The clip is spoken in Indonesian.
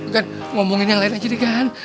gan ngomongin yang lain aja gan